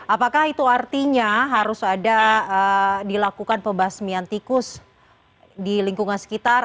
apakah itu artinya harus ada dilakukan pembasmian tikus di lingkungan sekitar